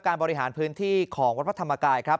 การบริหารพื้นที่ของวัฒนธรรมกายครับ